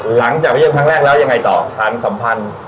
หลังจากไปเยินทางแรกแล้วยังไงต่อสถานทสัมพันธ์